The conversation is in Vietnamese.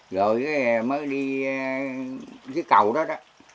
rồi mới đi dưới cầu đó đó